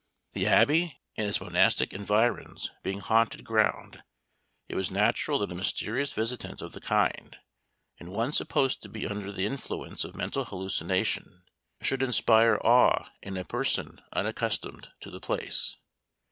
The Abbey and its monastic environs being haunted ground, it was natural that a mysterious visitant of the kind, and one supposed to be under the influence of mental hallucination, should inspire awe in a person unaccustomed to the place.